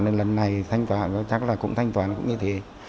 nên lần này thanh toán chắc là cũng thanh toán cũng như thế